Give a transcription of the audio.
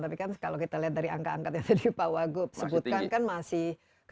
tapi kan kalau kita lihat dari angka angkat yang tadi pak wagup sebutkan kan masih